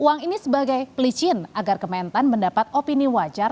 uang ini sebagai pelicin agar kementan mendapat opini wajar